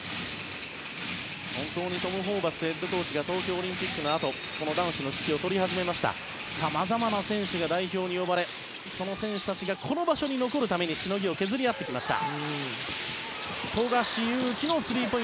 トム・ホーバスヘッドコーチは東京オリンピックのあとに男子の指揮を執り始めましたさまざまな選手が代表に呼ばれその選手たちがこの場所に残るためにしのぎを削り合ってきました。